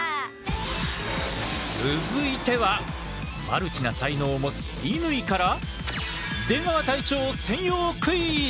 続いてはマルチな才能を持つ乾から出川隊長専用クイズ！